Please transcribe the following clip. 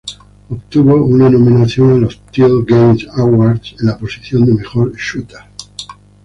Obtuvo una nominación a los "Till Game Awards" en la posición de Mejor "shooter".